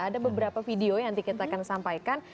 ada beberapa video yang nanti kita akan sampaikan